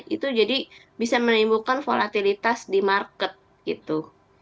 itu jadi bisa menimbulkan volatilitas di market gitu